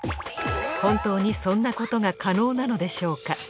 本当にそんなことが可能なのでしょうか？